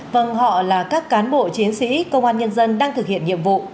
vâng họ là các cán bộ chiến sĩ công an nhân dân đang thực hiện nhiệm vụ